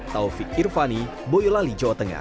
taufik irvani boyolali jawa tengah